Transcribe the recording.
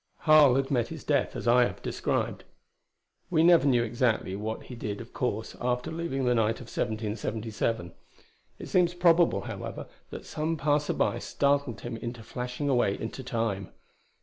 Harl had met his death, as I have described. We never knew exactly what he did, of course, after leaving that night of 1777. It seems probable, however, that some passer by startled him into flashing away into Time.